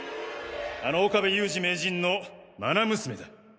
あの岡部雄二名人の愛娘だ。